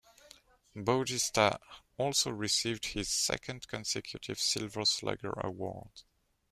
Bautista also received his second consecutive Silver Slugger Award.